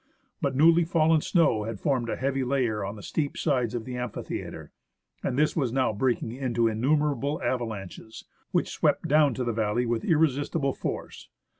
But newly fallen snow had formed a heavy layer on the steep sides of the amphitheatre, and this was now breaking into innumerable avalanches, which swept down to the valley with irresistible force.